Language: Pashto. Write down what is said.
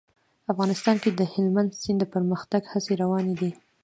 افغانستان کې د هلمند سیند د پرمختګ هڅې روانې دي.